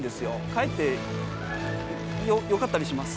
かえってよかったりします。